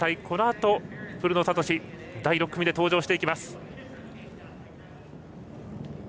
このあと古野慧第６組で登場してきます。